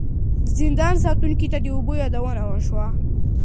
د زندان ساتونکي ته د اوبو یادونه وشوه.